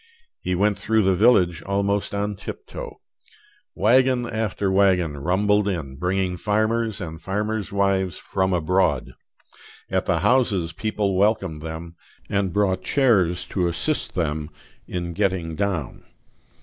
He went through the village almost on tiptoe. Wagon after wagon rumbled in, bringing farmers and farmers' wives from abroad; at the houses people welcomed them, and brought chairs to assist them in getting down.